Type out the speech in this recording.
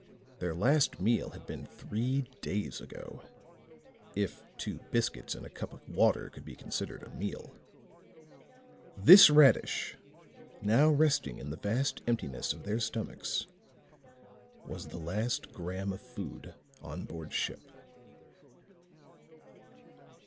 Their last meal had been three days ago ... if two biscuits and a cup of water could be called a meal. This radish, now resting in the vast emptiness of their stomachs, was the last gram of food on board ship.